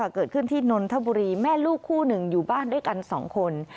เกิดขึ้นที่นนทบุรีแม่ลูกคู่หนึ่งอยู่บ้านด้วยกัน๒คน